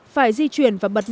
phải di chuyển và bật chân